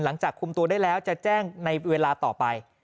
หลังจากคุมตัวได้แล้วจะแจ้งในเวลาต่อไป